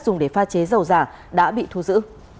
dùng để pha chế dầu giả đã bị thu giữ